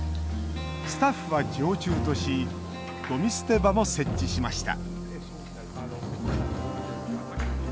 スタッフは常駐としゴミ捨て場も設置しました